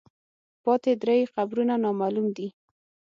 پاتې درې قبرونه نامعلوم دي.